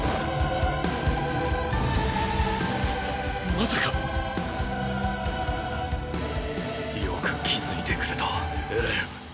まさかよく気付いてくれたエレン。